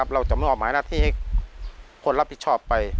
เราจะมอบหมายหน้าที่ให้คนรับผิดชอบไป